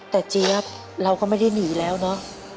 แต่เจี๊ยบเราก็ไม่ได้หนีแล้วเนอะ